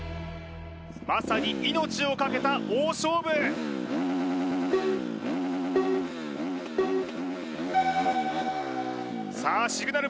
まさに命を懸けた大勝負さあシグナル